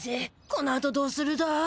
このあとどうするだ？